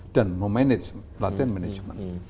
dan memanage latihan manajemen